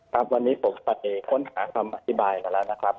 ครับวันนี้ผมไปค้นหาคำอธิบายมาแล้วนะครับ